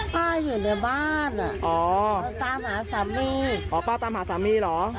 ป้าอยู่ในบ้านอ่ะอ๋อตามหาสามีอ๋อป้าตามหาสามีเหรอ